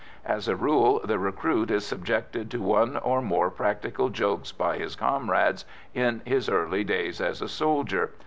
As a rule, the recruit is subjected to one or more practical jokes by his comrades in his early days as a soldier.